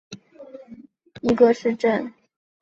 霍黑纳尔泰姆是德国巴伐利亚州的一个市镇。